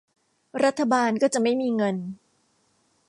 รัฐบาลก็จะไม่มีเงิน